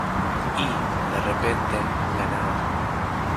y, de repente , la nada